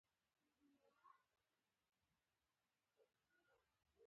له پخوانيو او نویو بېلګو څخه غوره کړو